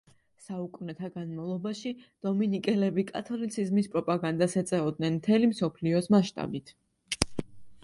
საუკუნეთა განმავლობაში, დომინიკელები კათოლიციზმის პროპაგანდას ეწეოდნენ მთელი მსოფლიოს მასშტაბით.